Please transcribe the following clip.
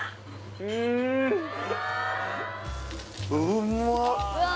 うんまっ！